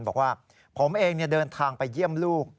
บอกว่าผมเองเดินทางไปเยี่ยมลูก